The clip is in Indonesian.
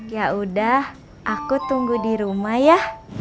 yaudah aku tunggu di rumah ya